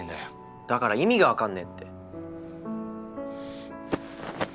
だから意味がわかんねえって。